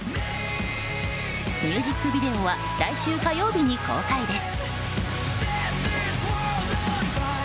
ミュージックビデオは来週火曜日に公開です。